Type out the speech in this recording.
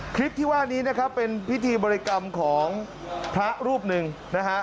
คลิปที่ว่านี้นะครับเป็นพิธีบริกรรมของพระรูปหนึ่งนะฮะ